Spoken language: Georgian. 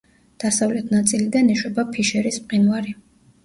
დასავლეთ ნაწილიდან ეშვება ფიშერის მყინვარი.